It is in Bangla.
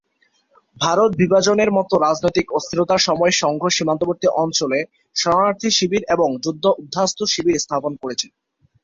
ভারত বিভাজন-এর মতো রাজনৈতিক অস্থিরতার সময়ে, সংঘ সীমান্তবর্তী অঞ্চলে শরণার্থী শিবির এবং যুদ্ধ উদ্বাস্তু শিবির স্থাপন করেছে।